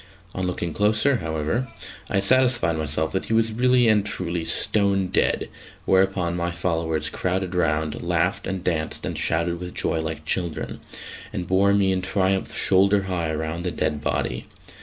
On looking closer, however, I satisfied myself that he was really and truly stone dead, whereupon my followers crowded round, laughed and danced and shouted with joy like children, and bore me in triumph shoulder high round the dead body.